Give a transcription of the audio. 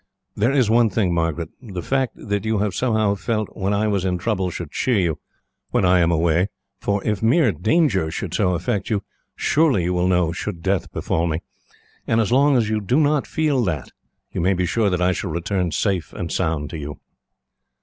"'There is one thing, Margaret. The fact that you have somehow felt when I was in trouble should cheer you, when I am away, for if mere danger should so affect you, surely you will know should death befall me; and as long as you do not feel that, you may be sure that I shall return safe and sound to you.'